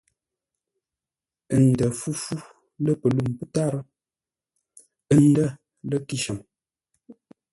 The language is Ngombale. Ə̂ ndə̂ fúfú lə̂ pəlûm pə́tárə́ ə̂ ndə̂ lə̂ kíshəm.